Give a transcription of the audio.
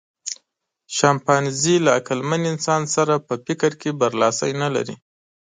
شامپانزي له عقلمن انسان سره په فکر کې برلاسی نهلري.